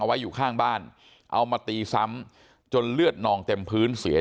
ไว้อยู่ข้างบ้านเอามาตีซ้ำจนเลือดนองเต็มพื้นเสีย